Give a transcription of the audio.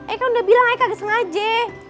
eh kan udah bilang eh kagak sengaja